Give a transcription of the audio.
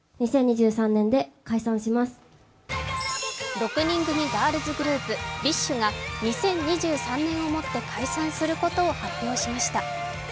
６人組ガールズグループ、ＢｉＳＨが２０２３年をもって解散することを発表しました。